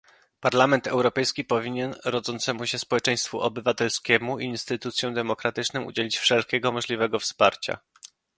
Parlament Europejski powinien rodzącemu się społeczeństwu obywatelskiemu i instytucjom demokratycznym udzielić wszelkiego możliwego wsparcia